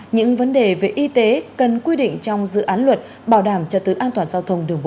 những vấn đề về y tế cần quy định trong dự án luật bảo đảm trật tự an toàn giao thông đường bộ